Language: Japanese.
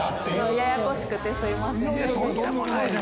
ややこしくて、すみません。